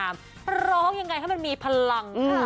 พร้อมยังไงให้มันมีพลัง